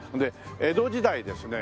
江戸時代ですね